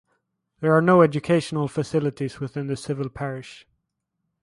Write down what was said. There are no educational facilities within the civil parish.